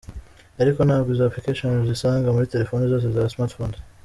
Ariko ntabwo izo applications uzisanga muri telefone zose za smartphones.